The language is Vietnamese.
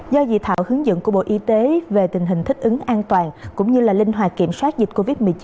do dị thảo hướng dẫn của bộ y tế về tình hình thích ứng an toàn cũng như linh hoạt kiểm soát dịch covid một mươi chín